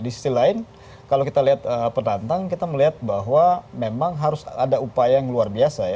di sisi lain kalau kita lihat penantang kita melihat bahwa memang harus ada upaya yang luar biasa ya